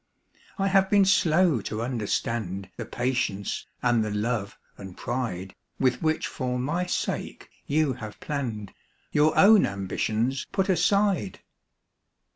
I have been slow to understand The patience and the love and pride "With which for my sake you have hour own ambitions put aside.